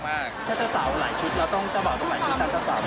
ถ้าเจาะสาวที่เราจะบอกตัวในกะตะซอง